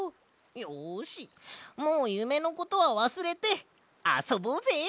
よしもうゆめのことはわすれてあそぼうぜ！